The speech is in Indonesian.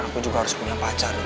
aku juga harus punya pacar